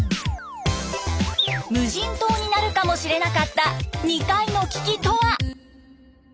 無人島になるかもしれなかった２回の危機とは？